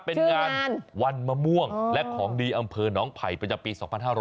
เป็นงานวันมะม่วงและของดีอำเภอหนองไผ่ประจำปี๒๕๖๐